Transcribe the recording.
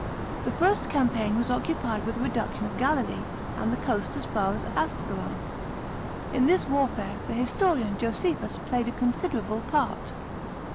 The first campaign was occupied with the reduction of Galilee, and the coast as far as Ascalon. In this warfare the historian Josephus played a con siderable part.